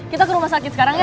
kita ke rumah sakit sekarang ya